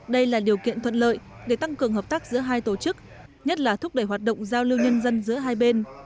đây là điều kiện thuận lợi để tăng cường hợp tác giữa hai tổ chức nhất là thúc đẩy hoạt động giao lưu nhân dân giữa hai bên